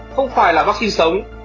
không phải là vaccine sống